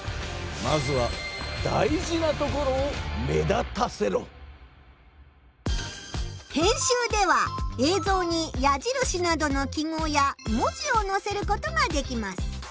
まずは編集では映像にやじるしなどの記号や文字をのせることができます。